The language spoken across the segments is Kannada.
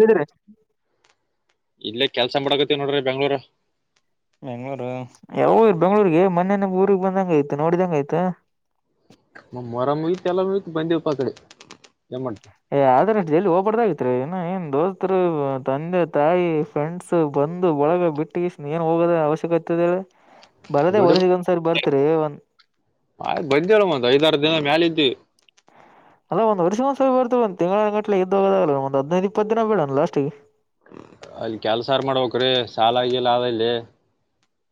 ಹೇಳಿದ್ರಿ ಇಲ್ಲೇ ಕೆಲಸ ಮಾಡಕತ್ತನ್ ನೋಡ್ರಿ ಬೆಂಗ್ಳೂರಲ್. ಬೆಂಗ್ಳೂರು ಯಾವಗ್ ಹೋಗಿರಿ ಬೆಂಗ್ಗಳೂರಿಗೆ ಮೊನ್ನೇ ನಮ್ಮೂರಿಗೆ ಬಂದಂಗ ಆಯ್ತು ನೋಡಿದಂಗ ಆಯ್ತು. ಮೊಹರಂ ಮುಗಿತ್ ಯಲ್ಲ ಮುಗಿತ್ ಬಂದ್ವಿವ್ ಅಪ್ಪ ಅಕಾಡಿ. ಏ ಆದ್ರ ಎಲ್ಲಿ ಹೋಗ್ಬಾರ್ದ ಆಐತ್ರಿ. ಏನ್ ದೋಸ್ತರು ತಂದೆ ತಾಯಿ ಫ್ರೆಂಡ್ಸ್ ಬಂದು ಬಳಗ ಬಿಟ್ಟಿ ಇಷ್ಟ ಏನ್ ಹೋಗೋದ. ಅವಶ್ಯಕತೆದೆ ಹೇಳು. ದುಡಿಬೇಕ್ ಒಂದ್ ಬಂದಲ್ಲ ಒಂದು ಐದಾರ ದಿನ ಮ್ಯಾಲ ಇದ್. [unintelligible] ಅಲ್ಲ ಒಂದ ವರ್ಷ ಒಂದ್ಸರಿ ಬರ್ತ ಒಂದ ತಿಂಗಳಿನಂಟ ಇದ್ದೆ ಹೋಗೋದಾಗಲ್ಲ ಒಂದ ಹದಿನೈದು ಇಪ್ಪತ್ತು ದಿನ ಬಿಡು ಲಾಸ್ಟಿಗೆ. ಅಲ್ಲಿ ಕೆಲ್ಸಾರ್ ಮಾಡ್ಬೇಕಕ್ ಸಾಲ ಆಗಿಲ್ಲ ಅಲ್ಲಿ.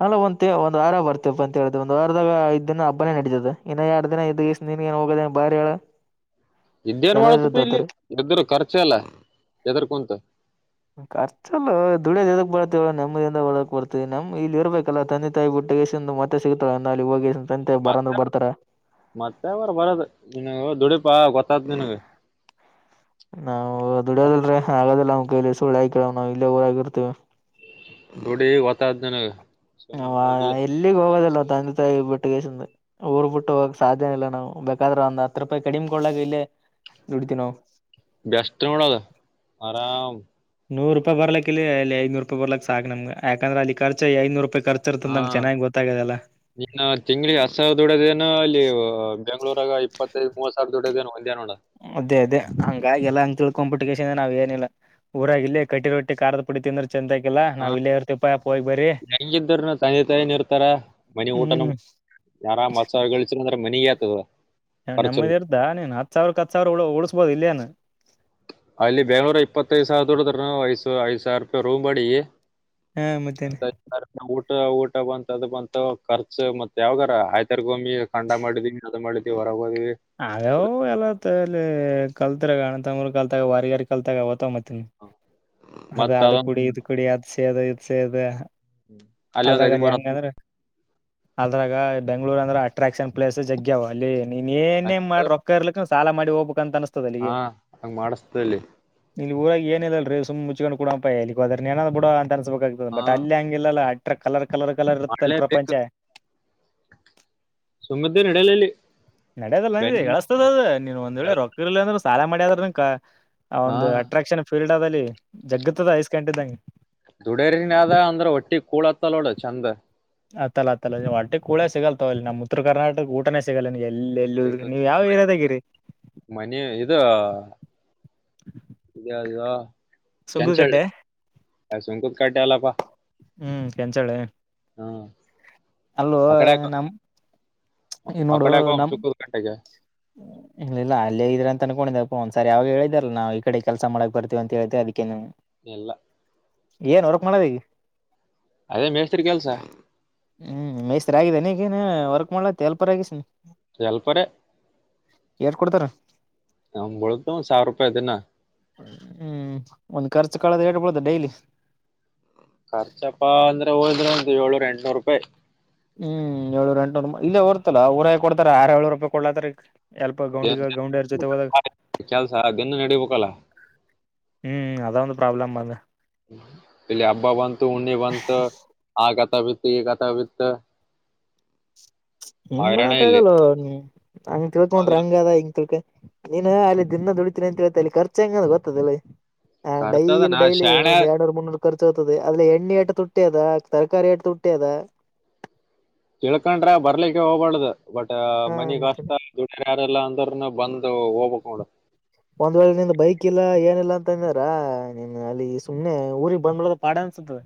ಅಲ್ಲ ಒ- ಒಂದ ವಾರ ಬರ್ತಪ್ಪ ಅಂತ ಹೇಳಿದ ಒಂದ ವಾರದಾಗ ಐ್ ದಿನ ಹಬ್ಬನೇ ನಡೀತದ ಇನ್ನ ಎರಡು ದಿನ ಇದ ನಿನ್ ಏನ್ ಹೋಗದೇ ಬಾರಿಯಾ ಹೇಳಳ. ಇದೇನ್ ಮಾಡತ್ತಪ್ಪ ಇಲ್ಲಿ ಇದರು ಖರ್ಚ ಎಲ್ಲ ಎದರ್ ಕುೂಂತ. ಖರ್ಚಲ್ಲ ದುಡಿಯದ ಎದಕ್ ಬರ್ತವ ನೆಮ್ಮದಿಂದ ಒಳಕ್ ಬರ್ತತಿವಿ ನಮ್ ಇಲ್ಲಿ ಇರ್ಬೇಕಲ್ಲ ತಂದೆ ತಾಯಿ ಬಿಟ್ಟು. ದು ಮತ್ತೆ ಸಿಗುತ್ತಾಳ- ಅ -ಅಲ್ಲಿ ಹೋಗ ಮತ್ತೆ ಮತ್ತೆರು ಬರದ ನಿನಗ ದುಡೀಪಾ ಗೊತ್ತತ್ ನಿನಗೆ ನಾವು ದುಡೋದಲ್ರೀ ಆಗದಿಲ್ಲ ಅವ್ ಕೈ ಸುಳ್ಳು ಆಯಕಳ್ ನಾವು ಇಲ್ಲೇ ಊರಾಗಿರ್ತಿವಿ. ಗೋಡಿ ವತ ಜನ. ನ- ಎಲ್ಲಿಗ್ ಹೋಗೋದಲ್ವ ತಂದೆ ತಾಯಿ ಬಿಟ್ಟಗಸಂದ ಊರ್ ಬಿಟ್ಟು ಹೋಗಕ್ ಸಾಧ್ಯನ ಇಲ್ಲ ನಾವು. ಬೇಕಾದ್ರ ಒಂದ್ ಹತ್ರ ರೂಪಾಯಿ ಕಡಿಮ್ ಕೊಳಾಗ ಇಲ್ಲೇ ದುಡತಿವಿ ನಾವು, ವ್ಯಸ್ತ ಮಾಡಡದ ಆರಾಮ. ನೂರು ರೂಪಾಯಿರ್ಲಕ್ಕ ಇಲ್ಲಿ ಅ ಐನೂ ರೂಪಿ ಬರ್ಲಿ ಸಾಕ್ಮಗೆ ಯಾಂದ್ರೆ ಅ ಖರ್ಚಐನೂ ರೂಪಾಯ್. ನಮ್ ಚೆನ್ನಾಗಿ ಗೊತ್ತಾಗದಲ್ಲ. ನಿನ್ನ ತಿಂಗಳಿ ಹತ್ ಸಾವಿರ ದುಡ್ಡೋದೇನನು ಅಲ್ಲಿ ಬೆಂಗ್ಳೂರಾಗ ಇಪ್ಪತ್ತೈದು ಮೂರ್ ಸಾವಿರ ದೊಡ್ಡದೇನು. ಅದೇ ಅದೇ ಹಂಗಾಗಿಲ್ಲ ಹಂಗ ತಿಳ್ಕೊ್ ಬಿಟ್ಟು. ನಾವು ಏನಿಲ್ಲ ಊರಾಗಿ ಇಲ್ಲಿ ಕಟ್ಟಿ ರೊಟ್ಟಿ ಖದ ಪುಡಿ ತಿಂದ್ರ. ಚಂದ ಆಕಿಲ್ಲಾ ನಾವವು ಇಲ್ಲೇ ಇರ್ತಿ ಪ ಅಪ್ಪ ಹೋಗಿ ಬರರಿ. ತಂಗಿದ್ದ ತಂದೆ ತಾಯ ಇರ್ತಾರ ಮನಿ ಊಟ ಹ್ಮ್ ಯಾರಾಮ ಮತ್ಸ ಗಳ ಮನಯತ ನೆಮ್ಮದಿರ್ದಾ ನೀನ್ ಹತ್ ಸಾವಿರಕ್ಕೆ ಹತ್ ಸಾವಿರ ಉಳಸ್ಬಹುದು ಇಲ್ಲಯನು. ಅಲ್ಲಿ ಬೆಂಗಳೂರ ಇಪ್ಪತ್ತೈದು ಸಾವಿರ ದೋಡದ್ರ ಐ್ ಐದ್ ಸಾವಿರ ರೂಪಾಯಿ ರೂಮ್ ಮಾಡಿ. ಹಾ ಮತ್ತೇನೆ ಊ [inaudible] ಊ- ಊಟ ಬಂತ ಅದು ಬಂತ ಖರ್ಚು ಮತ್ತತ್ ಯಾವಾಗಾರ ಆಯ್ತಾರ್ ಗೊಮ್ಮಿ ಖಂಡ ಮಾಡಿದೀನಿ ಅದು ಮಾಡಿದೀವಿ. ಹೊರಗ್ ಹೋದ್ವಿ ಆಗ ಎಲ್ಲತ್ತಲ್ಲಿ ಕಲ್ತ್ರ ಅಣತಂಗರು ಕಲ್ತಾಗ ವಾರಗಾರ ಕಲ್ತಾಗ ಅವತ ಮತ್ತ ಅದ ಮತ್ ಅದು ಕುಡಿ ಅದೊಂದ್ ಇದು ಕುಡಿ ಅದು ಸೇದ ಇದು ಸೇದ. ಅಲ್ಲಿ ಒಂದ್ ಅಲ್ರಗಲ್ಲಿ ಹದಿಮೂರ್ ಹದ್ ಹೆಂಗಂದ್ರ. ಅದ್ರಾಗ ಬೆಂಗ್ಳೂರ್ ಅಂದ್ರ ಅಟ್ರಾಕ್ಷನ್ ಪ್ಲೇಸ್ ಜಗ್ವ ಅಲ್ಲಿ ನೀ- ಇನ್ನೇನ್ ಮಾಡಿ ರೊಕ್ಕ ಇರ್ಲಿಕ್ ಸಾಲ ಮಾಡಿ ಹೋಗಬೇಕು ಅಂತ ಅ- ಹಾ- ಹಂಗ ಮಾಡಿಸತಲ್ಲಿ ಇಲ್ಲಿ ಊರ ಏಲ್ಲಲ್ರಿ ಸುಮ್ ಮುಚ್ಕೊಂಡ್ ಕೊಡಂಪ ಇ ಅ್ರ ನ ಬಿಡ ಅನ್ಸ್ಬೇಕಾಗಗ್ತದ ಹಾ ಬಟ್ ಅಲ್ಲಿ ಹಂಗಿಲ್ಲಲ್ಲ. ಕಲರ್ ಕಲರ್ ಕಲರ್ ಇರ್ತ್ತ ಅಲ್ಲಿ ಮಾಡ್ಲೇಬೇಕು ಪ್ರಪಂಚ. ಸುಮದ ನಡಲಲ್ಲಿ. ನಡ್ಯದಲ್ಲ ನ ಎಳಿಸಸತದದು ನೀನ್ ಒಂದ್ ವೇಳೆ ರೊಕ್ಕಲ್ಲ ಅಂದ್ರರು ಸಾಲ ಮಾಡಿದ್ರ. ಆ ಹಾ -ಒಂದು ಅಟ್ರಾಕ್ಷನ್ ಫೀಲ್ಡ್ ಅ ಅಲ್ಲಿ ಜಗ್ಗತ್ತದ ಐಸ್ಕಂಟ್ ಇದ್ದಂಗೆ. ದುಡೇರಿನ್ ಅದ ಅಂದ್ರ ಒಟ್ಟಿ ಕೂಳತ್ತಲ್ಲೋಡ ಚೆಂದ. ಅತ್ತಲ್ಲತ್ತಲ್ಲ ನೀವು ಹೊಟ್ಟೆ ಕೂಳೆ ಸಿಗಲ್ತಾವ ಅಲ್ಲಿ ನಮ್ಮ್ ಉತ್ರ ಕರ್ನಾಟಕ ಊಟನನೆ ಸಿಗಲ್ಲ ನೀ- ಎಲ್ಲೆಲ್ಲ ನೀವ್ ಯಾವ ಸಿಗಲ್ಲ. ಇರೋದ ಗಿರಿ ಇ -ಅದ ಕೆ ಚ ಸುಂಕದಕಟ್ಟೆ ಸಂಕದ ಕಟಿ ಅಲ್ಲಪ. ಹ್ಮ್ -ಕೆನ್ಸಳೆ ಅಲ್ಲೂ ಆ ಕಡೆ ಯಾಕೋ ನಮ. ಈ ಆ ನೋಡು ಕಡೆ ಯಾಕೋ ನಮ್ಮ ಸುಂಕದ ಕಟ್ಟೆಗೆ ಇಲ್ಲ ಇಲ್ಲ ಅಲ್ಲೇ ಇದ್ರ ಅಂತ ಅನ್ಕೊಂಡಿದ ಅಪ್ಪ ಒಂದ್ಸರಿ ಯಾವಾಗ ಹೇಳಿದಾರಲ್ಲ ನಾವು ಈ ಕಡೆ ಕೆಲಸ ಮಾಡಕ್ ಬರ್ತೀವಿ ಅಂತ ಹೇಳ್ದೆವಿ ಅದಕ್ಕೆ. ಎಲ್ಲ ಏನ್ ಹೊರ್ಕ್ ಮಾಡದ ಈಗ. ಅದೇ ಮೇಸ್ತ್ರಿ ಕೆಲ್ಸ. ಹ್ಮ್ ಮೈಸ್ರಿ ಆಗಿದಾನಗೇನ್ ವರ್ಕ್ ಮಾಡ್ಲಾಲ್ಪರ್ ಆಗಿಸನ ಹೇಲ್ಪರ್ ಯಾತ್ತ್ ಕೊಡ್ತಾರ. ನಮ್ಗ್ ಉಳ್ದು ಒಂದ್ ಸಾವಿರ ರೂಪಾಯಿ ದಿನ ಹ್ಮ್ -ಹಕಾರ ಹಚ್ಚ ಕಾಲದಟಬಡದ ಡೈಲಿ. ಖರ್ಚಪ್ಪಾ ಅಂದ್ರೆ ಹೋದ್ರೆ ಒಂದು ಏಳೂರು ಎಂಟನೂಪಾಯಿ ಹ್ಮ್ ಏಳೂರ ಎಂಟುೂರು ಇಲ್ಲೇ ಬರ್ತಲ್ಲ ಊರಾಗೆ ಕೊಡ್ತಾರ ಆರ ಏಳೂರು ರೂಪಾಯಿ ಕೊಡ್ಲತ್ತಾರ ಎಲ್ಪ ಗೌಂಡಗ ಗೌಂಡಿಯರ ಜೊತೆ ಹೋದಾಗ ಕೆಲಸ ದಿನ ನಡಿಬೇಕಲ್ಲ ಹ್ಮ್ ಅಒಂಊದು ಪ್ರಾಬ್ಲಮ್ ಬಂದ ಇಲ್ಲಿ ಹಬ್ಬಾ ಬಂತು ಉಣ್ಣಿ ಬಂತು ಆಗತಾ ಬಿತ್ತು ಈ ಗತಾ ಬಿತ್ತು ಎನ್ ಹೈರಾಣ ಮಾಡಕ್ ಇಲ್ಲಿ ಆಗಲ್ಲ ಹಂಗ ತಿಳಕೊಂಡ್ರಿ ಹೌದು ಹಂಗ ಅದ ಹಿಂಗ ತಿಳ್ಕ ನೀನ್ ಅಲ್ಲಿ ದಿನ ದುಡಿತಿನಿ ಅಂತೇತತಿ ಅಲ್ಲಿ ಖರ್ಚ ಹೆಂಗಂದ ಗೊತ್ತದಲ್ಲಿ ಹ ಖರ್ಚದ ಡೈಲಿ ನಾ ಡೈಲಿ ಶಾಣೆ ಒಂದ್ ಎರ್ಡ್ನೂರ್ ಮುನ್ನೂರು ಖರ್ಚು ಆ್ತದೆ ಅದೇ ಎಣ್ಣೆ ಎಟ ತುಟ್ಟಿ ಅದ ತರಕಾರಿ ಎಟ್ ತುಟ್ಟಿ ಅದ ತಿಳ್ಕೊಂಡ್ರ ಬರ್ಲಿಕ್ಕೆ ಹೋಗಬಾರದು ಬಟ್ ಹಾ ಮನಿಗ್ ಮತ್ತೆ ಕಷ್ಟ ದುಡ ಯಾರಲ್ಲ ಅಂತ ರ್ನ ಬಂದು ಹೋಗ್ಬೇಕು ನೋಡ ಒಂದ್ ವೇಳೆ ನಿಂದ ಬೈಕ್ ಇಲ್ಲ ಏನಿಲ್ಲಾ ರ ನಿ ಅಲ್ಲಿ ಸುಮ್ನೆ ಊರಿಗೆ ಬಂದರೂ ಪಾಡ ಅನ್ಸತದ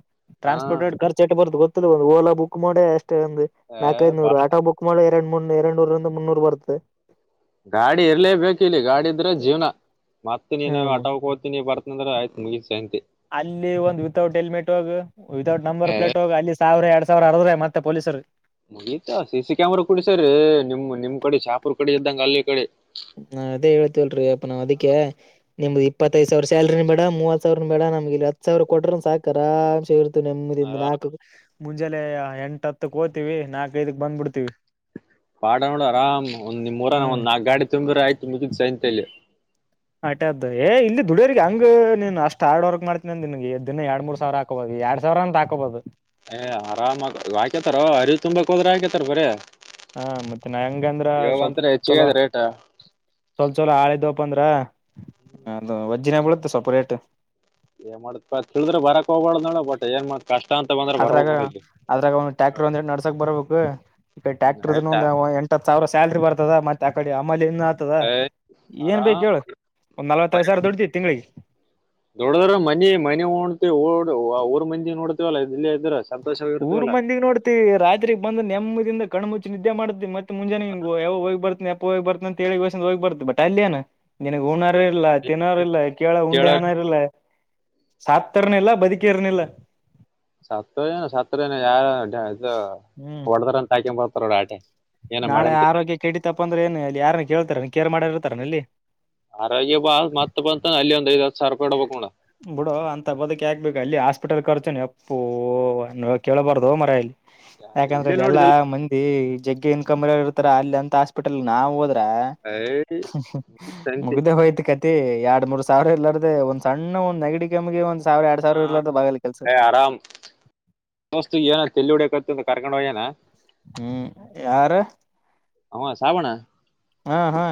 ಟ್ರಾನ್ಸ್ಪೋರ್ಟರ್ ರ ಎಟ ಹಾ ಖರ್ಚು ಬರತದ ಗೊತ್ತೇಲ್ಲ ಒಂದು ಹೊಗ ಬುಕ್ ಮಾಡಿ ಅಷ್ಟ ಒಂದು ನಾಲ್ಕೈದುನೂರು ಆಟೋ ಬುಕ್ ಮಾಡ ಎರಡ್ ಮೂರ್ ಎರಡ್ ನೂರಂದ ಮುನ್ನೂರ್ ಬರುತ್ತೆ ಗಾಡಿ ಇರ್ಲೇ ಬೇಕಿಲ್ಲಿ ಗಾಡಿ ಇದ್ರೆ ಜೀವನಾ ಮತ್ತ ನೀ ಆಟೋ ಹೋಗತಿನಿ ಬರ್ತನ ಅವ್ ಆಯ್ತ ಮುಗ ಅಲ್ಲಿ ಒಂದು ವಿತೌಟ್ ಹೆಲ್ಮೆಟ್ ಹೋಗ ವಿತೌಟ್ ನಂಬರ್ ಪ್ಲೇಟ್ ಹೋಗಿ ಅಲ್ಲಿ ಸಾವಿರ ಎರಡ್ ಸಾವಿರ ಅರ್ದ್ರೆ ಮತ್ತೆ ಪೊಲೀಸ್ರು ಮುಗೀತಾ ಸಿ ಸಿ ಕ್ಯಾಮರಾ ಕುೂಡಸಾರ್ರಿ ನಿಮ್ ನಿಮ್ ಕಡೆ ಶಾಪುರ್ ಕಡೆ ಇದ್ದಂಗ ಅಲ್ಲಿ ಇಕಡೆ ನಾ ಅದೇ ಎಳ್ತಿಲ್ರಿ ಅಪ್ಪ ನಾ ಅದಿಕೇ ನಿಮ್ದು ಇಪ್ಪತ್ತೈದು ಸಾವಿರ ಸ್ಯಾಲ್ರಿ ಬೇಡ ಮೂವತ ಸಾವಿರ ಬೇಡಾ ನಮಗ ಇಲ್ಲಿ ಹತ್ತು ಸಾವಿರ ಕೊಡ್ರ ಸಾಕು ಆರಾಸೆ ನೆಮ್ಮದಿಂದ ಆರಾಮ್ ನಾಲ್ಕ ಮುಂಜೆ ಎಂಟ ಹತ್ತ ಹೋತೀವಿ ನಾಕೈಐದಕ್ ಬಂದ್ಬಿಡ್ತೀವಿ ಪಾಡ ನೋಡು ಆರಾಮ್ ಒಂದ ನಿಮ್ಊರನ ಹ್ಮ್. ಒಂದ್ ನಾಕ್ ಗಾಡಿ ತುಂಬ್ರ ಆಯ್ತು ಮುಗಿದ್ ಸೈಂತಲ್ಲಿ ಅಟೆ ಅದ ಏ ಇಲ್ಲಿ ದುಡಿಯರ್ರಿಗೆ ಹಂಗ ನೀನ್ ಅಷ್ಟ್ ಹಾರ್ಡ್ ವರ್ಕ್ ಮಾಡ್ತೀನಿ ಅನ್ ನಿನ್ಗೆದ ದಿನ ಎರಡ್ ಮೂರ್ ಸಾವಿರ ಹಾಕಬಹುದ ಎರಡ್ ಸಾವಿರ ಅಂತ ಹಾಕೋಬಹದು ಏ ಆರಾಮ ಹಾಕೇತಾರ ಅರಿವು ತುಂಬಾಕ್ ಹೋದ್ರೆ ಹಾಕೇತಾರ ಬರೀ ಹ ಮತ್ತೆ ನಾ ಹೆಂಗಂದ್ರ ಸ್ವಲ್ಪ ಹೆಚ್ಚಿಗೆ ಚಲೋ ಅದ ರೇಟ್ ಸ್ವಲ್ಪ ಚಲೋ ಆಳಿದ ಪ್ಪಂದ್ರ ಅದು ವಜ್ಜಿನ ಬೀಳುತ್ತೆ ಸೊಪ ರೇಟ್ ಏ ಮಾಡ್ತಪಾ ತಿಳಿದ್ರೆ ಬರಕ್ ಹೋಗಬಾರದ ನೋಡ್ ಬಟ್ ಏನ್ ಮಾಡ್ತ ಅದ್ರಾಗ ಅದ್ರಾಗ ಒಂದು ಟ್ಯಾಕ್ಟರ್ ಒಂದ್ ಎ ನಡ್ಸಕ್ ಬರಬೇಕು ಈ ಕಡೆ ಹ್ಮ್ ಟ್ಯಾಕ್ಟರ್ ಆಯ್ತಾ ಒಂದ ಎಂಟ ಹತ್ತ ಸಾವಿರ ಸಾಲ್ರಿ ಬರ್ತದ ಮತ್ತೆ ಆಕಡೆ ಮಲ್ಲಿ ಅನ್ನು ಆಗ್ತದ ಏ ಏನ್ ಬೇಕ ಆರಾಮ್ ಹೇಳು ಒಂದ್ ನಲ್ವತ್ತೈದ ಸಾವಿರ ದುಡತಿ ತಿಂಗಳಿಗೆ ದುಡ್ಡದ್ರ ಮನಿ ಮನೆೋತ ಉಡ್ ಊರ ಮಂದಿ ನೋಡ್ತವಲ್ಲ ಇಲ್ಲ ಇದಷ್ಟ ಊರ್ ಮಂದಿಗ್ ನೋಡ್ತಿ ರಾತ್ರಿಗ್ ಬಂದ ನೆಮ್ಮದಿಂದ ಕಣ ಮುುಚ್ಚಿ ನಿದ್ದೆ ಮಾಡತಿವಿ ಮತ್ತೆ ಮುಂಜೆನಿಂಗ ಯವ್ವ ಹೋಗಿ ಬರ್ತ್ ಎಪ್ಪೋಹೊಗ ಬತ್ರ ಅಂತಗ್ ಬರ್ತ್ ಬಟ್ ಅಲ್ಲೆಯೆನ ನಿನಗ್ ಹ ಊಣಾರ ಇಲ್ಲ ತಿನ್ನೋರ ಇಲ್ಲ ಕೇಳ ಉಂಡೆ ಹನ ಇಲ್ಲಾ ಸತ್ತರ್ನಿಲ್ಲಾ ಬದುಕಿಯರ್ನಿಲ್ಲಾ ಸತ್ ಏನ ಸತ್ತಏನ ಯಾರ ಇ ಹ್ಮ್ ಹೊಡದ್ರ ಅಂತ ಹಾಕೊಂಡ್ ಬರ್ತಾರೋ ಆಟೆ ಏನ ನಾಳೆ ಮಾಡನ್ ಕೆಲ್ಸ ಆರೋಗ್ಯ ಕಡೀತಪ್ಪ ಅಂದ್ರೆ ಏನು ಅಲ್ಲಿ ಯಾರನ್ ಕೇಳ್ತಾರ ನೀ ಕೇರ್ ಮಾಡಿ ಇರ್ತಾರೆನ ಅಲ್ಲಿ ಆರೋಗ್ಯ ಬಾ ಮತ್ತ ಬಂತಾನ ಅಲ್ಲಿ ಒಂದ ಬಿಡೋ ಅಂತ ಬದಕ ಯಾಕ ಬೇಕ ಅಲ್ಲಿ ಅಷ್ಟ ಉಟಲ್ ಖರ್ಚುನ ಅಪ್ಪು ಕೇಳಬಾರ್ದು ಮಾರಲ್ಲಿ ಯಾಕಂದ್ರೆ ಇಲ್ಲೇ ಅಲ್ಲಿ ಎಲ್ಲಾ ನೋಡಿದಿಲ್ಲ ಮಂದಿ ಜಗ್ಗೆ ಇನ್ಕಮ ಇರ್ತಾರ ಅಲ್ಲಿ ಅಂತ ಹಾಸ್ಪಿಟಲ್ ನಾವು ಹೋದ ಏಯ್ ಸಂತಿ ಮುಗ್ದ ಹೋಯ್ತು ಕತಿ ಎರಡ್ ಮೂರ್ ಸಾವಿರ ಎಲ್ಲ ಅ ಒಂದ್ ಸಣ್ಣ ಒಂದ್ ನೆಗಡಿ ಕೆಮ್ಗೆ ಒಂದ್ ಸಾವಿರ ಎರಡ್ ಹಾ ಸಾವಿರ ಇರ್ಲಾರ ಬಾಗಲ್ಲ ಕೆಲ್ಸ ದೋಸ್ತ್ ಏ ತೇಲ್ಲಿ ಹೊಡಬೇಕಂತ ಕರ್ಕೊಂಡ ಹೋಗ ನ ಹ್ಮ್ ಯಾರ ಹ ಶಾವಣ ಹಾ ಹಾ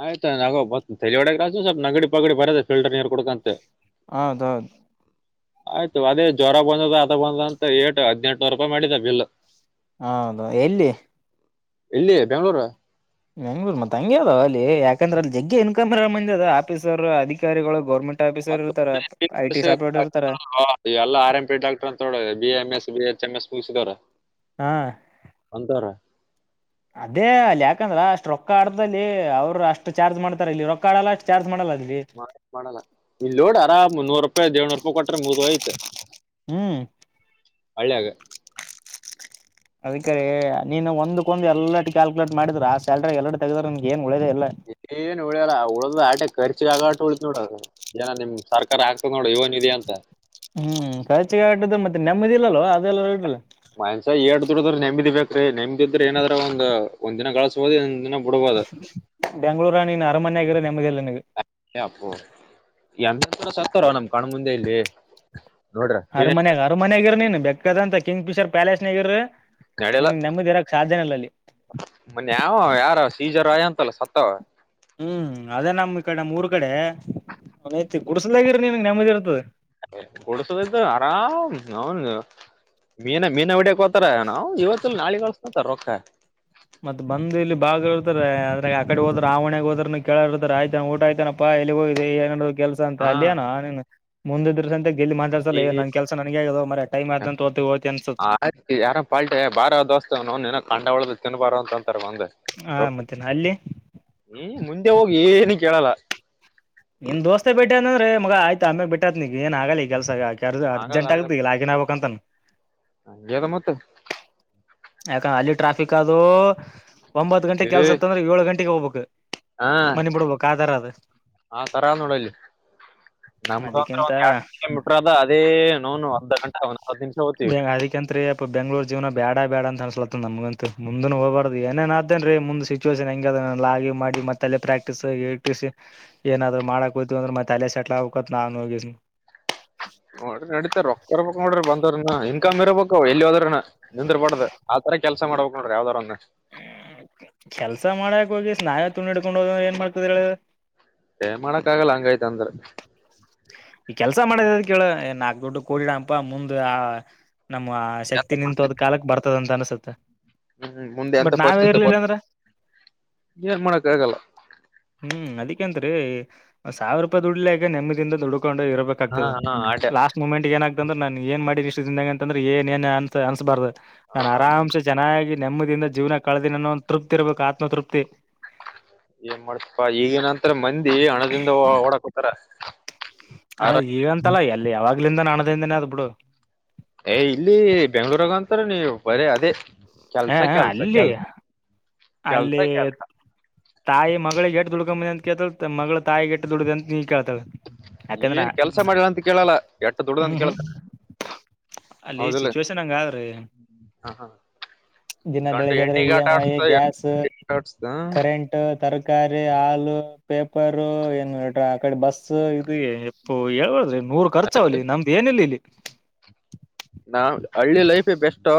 ಆಯ್ತಾಯ [unintelligible] ನಗಡಿ ಪಗಡಿ ಬರತ್ತದೆ ಫಿಲ್ಟರ್ ನೀರು ಕುಡ್ಕಂತೆ ಹೌದೌದು ಆಯ್ತು ಅದೇ ಜ್ವರ ಬಂದ ಅದ ಬಂದಂತ ಏಟು ಹದ್ನೆಂಟುನೂರು ರೂಪಾಯಿ ಮಾಡಿದ ಬಿಲ್ ಹೌದು ಎಲ್ಲಿ ಇಲ್ಲಿ ಬೆಂಗಳೂರು ಬೆಂಗಳೂರು ಆ ಮತ್ ಹಂಗೆ ಅದಾವ ಅಲ್ಲಿ ಯಾಕಂದ್ರೆ ಅಲ್ಲಿ ಜಗ್ಗೆ ಇನ್ಕಮ್ ಇರ ಮುಂದಿ ಅದರಾ ಆಫೀಸರ್ ಅಧಿಕಾರಿಗಳು ಗೌರ್ಮೆಂಟ್ ಎಲ್ಲ ಆಫೀಸರ್ ಇರ್ತಾರ ಐ ಟಿ [unintelligible] ಸಾಫ್ಟ್ವೇರ್ ಇರ್ತಾರ ಆರ್ ಎಂ ಪಿ ಡಾಕ್ಟರ್ ಅಂತ ತಕೊಳೋದು B M S B H M S ಮುಗಿಸದವ್ರು ಹಾ ಅದೇ ಅಲ್ಲಿ ಯಾಕಂದ್ರ ಅಷ್ಟ್ ರೊಕ್ಕ ರೊಕ್ಕಾದಲ್ಲಿ ಅವರು ಅಷ್ಟು ಚಾರ್ಜ್ ಮಾಡ್ತಾರೆ ಇಲ್ಲಿ ರೊಕ್ಕಾಡಲ್ಲ ಅಷ್ಟ್ ಚಾರ್ಜ್ ಮಾಡಲ್ಲ ಅಲ್ಲಿ ಮಾಡಲ್ಲ ಇಲ್ಲಿ ನೋಡು ಆರಾಮ್ ಮುನ್ನೂರು ರೂಪಾಯಿ ಏನೂರು ರೂಪಾಯಿ ಕೊಟ್ರೆ ಮುಗಿದುಯ್ತು ಹ್ಮ್ ಹಳ್ಳಿಗೆ ಅದಕ್ಕ ರೀ ನೀನು ಒಂದ್ಕ್ಕೊಂದು ಎಲ್ಲ ಕ್ಯಾಲ್ಕುಲೇಟ್ ಮಾಡಿದ್ರ ಆ ಸ್ಯಾಲ್ರಿ ಎಲ್ಲ ತೆಗದ್ರ ನಿನಗೆ ಏನ್ ಉಳಿದೆ ಇಲ್ಲ ಏನ್ ಉಳಿಯಲ್ಲ ಉಳ್ದ ಆಟೋ ಖರ್ಚಿಗೆ ಆಗೋಷ್ಟು ಉಳಿತದವಾ ನೋಡು ಏನ ನಿಮ್ ಸರ್ಕಾರ ಆಗ್ತ್ ನೋಡು ಯುವನಿಧಿ ಅಂತ ಹ್ಮ್ ಖರ್ಚಿಗೆ ಆಗಟ್ಟ ಮತ್ತೆ ನೆಮ್ಮದಿಲ್ಲಲ್ವ ಅದೆಲ್ಲ ಇಡ್ರ ಮ್ಯಾನ್ಸ ಎಎಡ್ ದುಡಿದ್ರು ನೆಮದಿ ಬೇಕ್ರಿ ನೆಮ್ದಿದ್ರ ಏನಾದ್ರ ಒಂದ ಒಂದ್ ದಿನ ಗಳಿಸಬಹುದು ಇನ್ನ ಒಂದ ದಿನ ಬಿಡ್ಬೋದು ಬೆಂಗಳೂರುನಾ ನೀನ್ ಅರಮನೆಆಗಿರೋ ನೆಮ್ಮದಿ ಇಲ್ಲ ನಿನಗ ಅಪ್ಪೋ ಎಂತ ಸತ್ತಾರ ನಮ್ ಕಣ್ಣ ಮುಂದೆ ಇಲ್ಲಿ ನೋಡ್ರ ಅರಮನ್ಯಾಗ ಅರಮನ್ಯಗಿರಿ ನೀನ್ ಬೆಕ್ಕದಂತ ಕಿಂಗ್ ಫಿಶರ್ ಪ್ಯಾಲೇಸ್ನಗಿರರಿ ನಡೆಲ್ಲ ಮನ್ನೆ ಯಾವು ಯಾರ ಡಿಜಾರ್ ಆಯಂತಲ್ಲ ಸತ್ತವ ಹ್ಮ್ ಅದೇ ನಮ್ ಈ ಕಡೆ ನಮ್ಮ ಊರ್ ಕಡೆ [unintelligible] ಕುುಡ್ಸಲ್ದಾಗರ ನೀನ್ ನೆಮ್ಮದಿ ಇರ್ತದ ಗುಡಿಸಲ್ದಾಗ ಆರಾಮ್ ಅವನು ಮೀನ ಮೀನ ಹೊಡಿಯಕ ತಾರ ನಾವು ಇವತ್ತುಲ್ ನಾಳಿಗೆ ಗಳಸ್ಕತರ್ ರೊಕ್ಕ ಮತ್ತತ್ ಬಂದು ಇಲ್ಲಿ ಬಾಗ ಇರ್ತಾರೆ ಆದ್ರ ಆ ಕಡೆ ಹೋದ್ರ ಆ ಹೊಣ್ಯಾಗ ಹೋದ್ರನು ಕೇಳ ಇರ್ತಾರೆ ಆಯ್ತಾನ ಊಟ ಆಯ್ತಾನಪ್ಪ ಎಲ್ಲಿ ಹೋಗ ಏನ ಕೆಲ್ಸ ಅಂತ ಹಾ ಅಲ್ಲಿಯನ ಮುಂದಿದ್ರ ಸಂತೆ ಲ್ಲಿ ಈ ಮಾತಾಡ್ಸಲ್ಲ ನನ್ ಕೆಲ್ಸ ನನನ್ಗೆ ಆಗದ ಮಾರಾಯ ಟೈಮ್ ಆದಂತ ಹೋತ ಹೋತಿ ಅನ್ಸುತ್ತ ಆಯ್ತು ಯಾರ ಪಾಲ್ಟಿ [unintelligible] ಆ ಮತ್ತೆ ಅಲ್ಲಿ ಮುಂದೆ ಹೋಗು ಏನುಕೇಳಲ್ಲ ನಿನ್ ದೋಸ್ತೆೆ ಬಿಟ್ಟೇ ಅಂದ್ರೆ ಮಗ ಆಯ್ತ ಆ ಆಮೇಲೆ ಬಿಟ್ಟೈತ್ ನಿಗ ಏನ್ ಆಗಲಿ ಈ ಕೆಲ್ಸಗಾಕಿ ಎರದ್ರಾ ಆಗಲ್ಲ ಅರ್ಜೆಂಟ್ ಆಗಲ್ಲ ಆಗಬೇಕ್ ಲಾಗಿನ್ ಆಗ್ಬೇಕ್ ಅಂತ [unintelligible] ಯಾಕಂದ ಅಲ್ಲಿ ಟ್ರಾಫಿಕ್ ಅದು ಒಂಬತ್ತು ಗಂಟೆಗೆ ಏ ಕೆಲಸ ಇತಿ ಅಂದ್ರೆ ಏಳು ಗಂಟೆಗೆ ಹೋಗ್ಬೇಕು ಮನಿಬಿಡ್ಬೇಕ ಆತರ ಅದು ಆತರನೋಡಲ್ಲಿ ನಮ್ಗ ಅದಕ್ಕಿಂತ ಒಂದ್ ಎರಡು ಕಿಲ ಮೀಟ್ರ ಅದ ಅದೇ ನೋನು ಅರ್ಥ ಗಂಟೆ ಹತ್ತು ನಿಮಿಷ ಹೋಗ್ತಿವಿ ಅದಕಂತ್ರ ಯಪ್ಪಾ ಬೆಂಗಳೂರು ಜೀವನ ಬ್ಯಾಡ್ ಬೇಡ ಬೇಡ ಅಂತ ಅನ್ಸಲತ್ತ ನಮಗಂತ ಮುಂದ ಹೋಗಬಾರ್ದ ಏನೇನ್ ಆಗ್ತಾಯೆನ್ರಿ ಮುಂದ್ ಸಿಚುುವೇಶನ್ ಹೆಂಗ ಲಾ ಗಿ ಮಾಡಿ ಮತ್ ತಲೆ ಪ್ರಾಕ್ಟೀಸ್ ಏನಾದ್ರು ಮಾಡಕುಂತೀವಿ ಅಂದ್ರೆ ಮತ್ತೆ ಅಲೆ ಸೆಟ್ಲ್ ಆಗ್ಕ ನಾನು ಹೋಗಿನಿ ನೋಡ್ರಿ ನಡೀತದ ರೊಕ್ಕ ಇರಬೇಕು ನೋಡ್ರಿ ಬಂದ್ರನ ಇನ್ಕಮ್ ಇರಬೇಕ ಎಲ್ಲಿ ಹೋದ್ರನು ನಿಂದ್ರ ಬಾರ್ದ್ ಆ ತರ ಕೆಲಸ ಮಾಡ್ಬೇಕ್ ನೊಡ್ರಿ ಏವಾದ್ರ ಒಂದ ಹ್ಮ್ ಕೆಲ್ಸ ಮಾಡಕ್ ಹೋಗಿ ಸ್ನಾಯು ತುನಿ ಹಡ್ಕೊಂಡು ಹೋದ ಏನ್ ಮಾಡ್ತದ ಹೇಳ ಏನ ಮಾಡೋಕಾಗಲ್ಲ ಹಂಗೈತಂದ್ರ ಈ ಕೆಲ್ಸ ಮಾಡದ ಎದಕಹೇಳಿ ನಾಲ್ಕು ದುಡ್ಡು ಕೋಡಿಡಪ್ಪ ಮುಂದೇ ನಮ್ಮ್ ಶಕ್ತಿ ನಿಂತದ ಕಾಲಕ್ ಬರ್ತದ ಅಂತ ಅನ್ಸುತ್ತೆ ಹ್ಮ್ ಮುಂದೆ ಎಂತ ಬಟ್ ನಾವೇ ಪರಿಸ್ಥಿತಿ ಇರ್ಲಿಲ್ಲ ಬಂತ್ ಅಂದ್ರ ಏನ್ ಮಾಡಕ್ ಆಗಲ್ಲ ಹ್ಮ್ ಅದಿಕಂದ್ರೀ. ಸಾವಿರ ರೂಪಾಯ ದುಡಿಲಾಕ ನೆಮ್ಮದಿಂದ ದುಡ್ಕೊಂಡು ಹಾ ಇರಬೇಕಾಗ್ತದ ಹಾ ಆಟ ಲಾಸ್ಟ್ ಮೂಮೆಂಟ್ ಏನಾಗ್ತಂದ್ರ ನಾನ್ ಏನ್ ಮಾಡಿದ ಇಷ್ಟ ದಿನದಾಗ ಅಂತಂದ್ರ ಏನ್ ಏನ್ ಅಂತ ಅನ್ ಅನ್ಸ್ಬಾರ್ದು ಹಾ ನಾನ್ ಆರಾಮ್ಸೆ ಚೆನ್ನಾಗಿ ನೆಮ್ಮದಿಯಿಂದ ಜೀವನ ಕಳೆದೆನು ಅನ್ನು ಒಂದು ತೃಪ್ತಿ ಇರ್ಬೇಕು ಆತ್ಮತೃಪ್ತಿ‌. ಏನ್ ಮಾಡ್ತೀಯಪ್ಪ ಈಗ ನಂತರ ಮಂದಿ ಹಣದಿಂದ ಓಡ ಕುತ್ತರ ಅಲ್ಲ ಈಗಂತಲ್ಲ ಎಲ್ಲಿ ಯಾವಾಗ್ಲಿಂದ ಹಣದಿಂದನೇ ಅದ್ಬಿಡು ಏ ಇಲ್ಲಿ ಬೆಂಗಳೂರಾಗ ಒಂತರ ನೀವ್ ಬರ ಅದೇ ಹಾ ಕೆಲ್ಸ ಹಾ ಕೆಲ್ಸ ಅಲ್ಲಿ ಕೆಲ್ ಕೆಲ್ಸ ಅಲ್ಲಿ ಕೆಲ್ಸ ತಾಯಿ ಮಗಳಿಗೆ ದುಡ್ಕಂಬಂದಿ ಅಂತ್ ಕೇಳ್ತಾಳ್ ಮಗಳು ತಾಯಿಗೆ ಎಟ್ಟ ದುಡ್ದಿ ಅಂತ ಹಿಂಗಾ ಕೇಳ್ತ ಏನ್ ಕೆಲ್ಸ ಮಾಡಿದಿ ಅಂತ ಕೇಳಲ್ಲ ಎಷ್ಟು ದುಡ್ಡ್ದಂತ ಹ್ಮ್ ಹ್ಮ್ ಕೇಳತಾರ ಅಲ್ಲಿ ಸಿಚುವೇಶನ್ ಹಂಗಾದ್ರಿ ಹ ಹ ದಿನ ಗಂಡು ಬೆಳಿಗ್ಗೆ ಎದ್ರಾ ಹೆಣ್ಣಿಗೆ ಇ ಆಟ ಎಂ ಐ ಆಡ್ಸ್ತ ಗ್ಯಾಸ್ ಹೆಣ್ಣಿಗೆ ಆಡ್ಸ್ತ ಕರೆಂಟ್ ತರ ಕಾರಿ ಹಾಲು ಪೇಪರ್ ಏನು ಆ ಕಡೆ ಬಸ್ ಸ್ಸು ಇದ ಎಪ್ಪು ಹೇಳ್ಬಾದ್ರಿ ನೂರ್ ಖರ್ಚ ಅದವ್ಲಿ ನಮ್ದು ಏನೂ ಇಲ್ಲಾ ಇಲ್ಲಿ ನಾ ಹಳ್ಳಿ ಲೈಫೆ ಬೆಸ್ಟೋ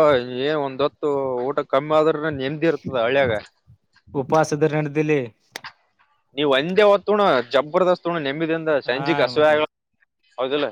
ಏನ್ ಒಂದ ಹೊತ್ತು ಊಟ ಕಮ್ಮಿ ಆದ್ರ ರ ನೆಮ್ದೀ ಇರ್ತದ ಹಳ್ಯಾಗ ಉಪವಾಸ ಇದ್ರ ನಡ್ದಿಲ್ಲಿ ನೀವ್ ಒಂದೇ ಹೊತ್ತುುಣ ಜಬರ್ದಸ್ತ್ ಉಣು ನೆಂಬಿದಿಂದ ಹಾ ಸಂಜಿಕ್ ರೀ ಹಸಿವ ಮತ್ತೆ ಅಗಲಾ ಹೌದಿಲ್ಲ